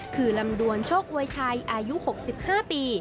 คือลำดวนโชคอวยชัยอายุ๖๕ปี